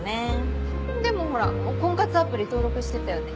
でもほら婚活アプリ登録してたよね？